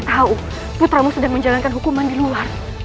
tahu putramu sedang menjalankan hukuman di luar